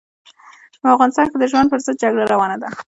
په افغانستان کې د ژوند پر ضد جګړه روانه ده.